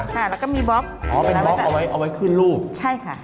ค่ะแล้วก็มีบล็อกอ๋อเป็นบล็อกเอาไว้เอาไว้ขึ้นรูปใช่ค่ะ